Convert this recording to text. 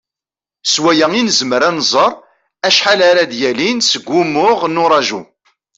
S wakka i nezmer ad nẓer acḥal ara d-yalin seg wumuɣ n uraju.